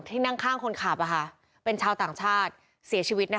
ที่นั่งข้างคนขาบเอ่อค่ะเป็นชาวต่างชาติเสียชีวิตนะคะ